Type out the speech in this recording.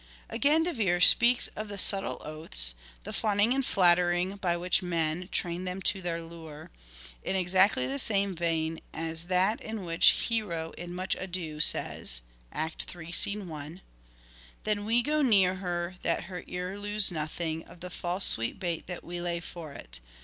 Again De Vere speaks of the subtle oaths, the fawning and flattering by which men " train them to 174 " SHAKESPEARE " IDENTIFIED their lure " in exactly the same vein as that in which Hero in " Much Ado " says (III. i.) :" Then go we near her, that her ear lose nothing Of the false sweet bait that we lay for it.